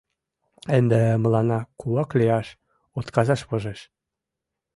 Ынде мыланна кулак лияш отказаш возеш.